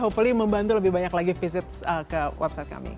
opely membantu lebih banyak lagi visit ke website kami